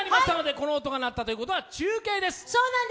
この音が鳴ったということは中継です。